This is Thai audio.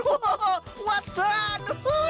โอ้โฮวัดสาร